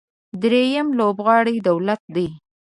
درېیم لوبغاړی دولت دی.